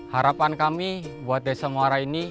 harapan kami buat desa muara ini